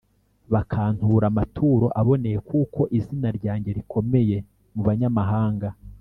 bakantura amaturo aboneye kuko izina ryanjye rikomeye mu banyamahanga